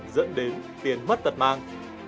dẫn đến tiền mất tật mang